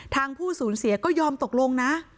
ผู้สูญเสียก็ยอมตกลงนะ